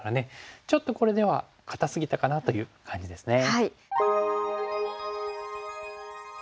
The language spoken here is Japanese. ちょっとこれでは堅すぎたかなという感じですね。